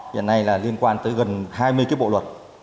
hiện nay liên quan tới gần hai mươi bộ luật